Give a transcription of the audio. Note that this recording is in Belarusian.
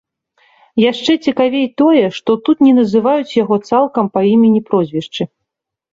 Яшчэ цікавей тое, што тут не называюць яго цалкам па імені-прозвішчы.